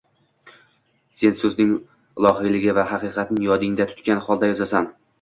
Sen soʻzning ilohiyligi va haqiqatni yodingda tutgan holda yozasan